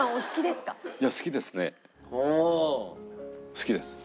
好きです。